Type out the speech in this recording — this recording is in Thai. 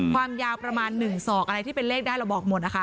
ความยาวประมาณ๑ศอกอะไรที่เป็นเลขได้เราบอกหมดนะคะ